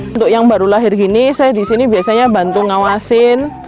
untuk yang baru lahir gini saya di sini biasanya bantu ngawasin